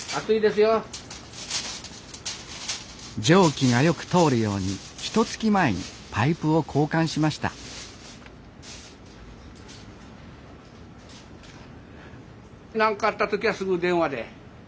蒸気がよく通るようにひとつき前にパイプを交換しました何かあった時はすぐ電話で「